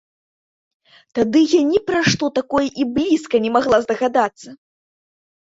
Тады я ні пра што такое і блізка не магла здагадацца.